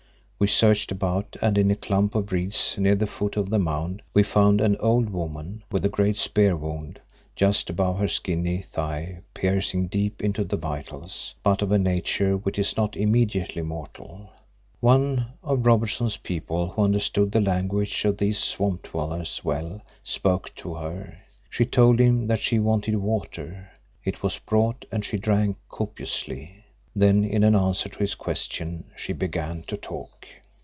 We searched about and in a clump of reeds near the foot of the mound, found an old woman with a great spear wound just above her skinny thigh piercing deep into the vitals, but of a nature which is not immediately mortal. One of Robertson's people who understood the language of these swamp dwellers well, spoke to her. She told him that she wanted water. It was brought and she drank copiously. Then in answer to his questions she began to talk.